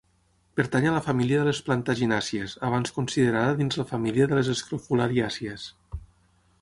Pertany a la família de les plantaginàcies abans considerada dins la família de les escrofulariàcies.